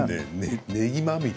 ねぎまみれ。